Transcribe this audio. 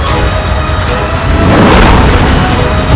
aku juga suka